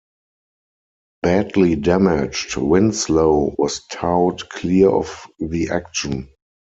Badly damaged, "Winslow" was towed clear of the action.